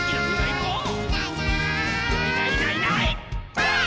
ばあっ！